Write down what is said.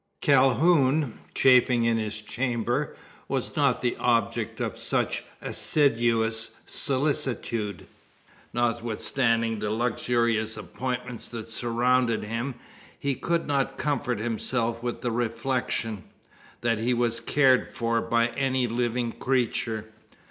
Calhoun, chafing in his chamber, was not the object of such assiduous solicitude. Notwithstanding the luxurious appointments that surrounded him, he could not comfort himself with the reflection: that he was cared for by living creature.